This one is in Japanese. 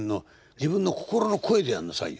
自分の心の声でやんなさいよ。